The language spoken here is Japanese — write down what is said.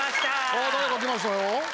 あ誰か来ましたよ。